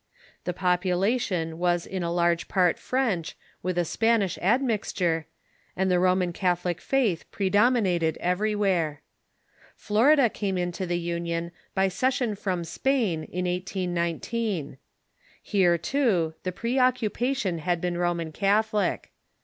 The population was in a large part French, with a Spanish admixture, and the Roman Catholic faith predominated everywhere. Florida came into the Union by cession from Spain in 1819. Here, too, the preoccupation had been Roman Catholic.